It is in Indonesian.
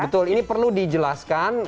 betul ini perlu dijelaskan